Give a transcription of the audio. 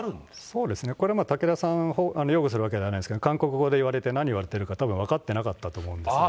そうですね、これ武田さん擁護するわけじゃないですけど、韓国語で言われて、何言われているか、たぶん分かってなかったと思うんですが。